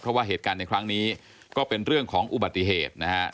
เพราะว่าเหตุการณ์ในครั้งนี้ก็เป็นเรื่องของอุบัติเหตุนะฮะ